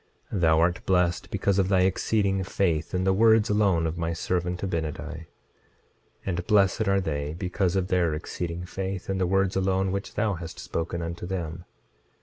Thou art blessed because of thy exceeding faith in the words alone of my servant Abinadi. 26:16 And blessed are they because of their exceeding faith in the words alone which thou hast spoken unto them.